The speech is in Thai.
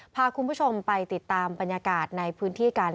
พาคุณผู้ชมไปติดตามบรรยากาศในพื้นที่กัน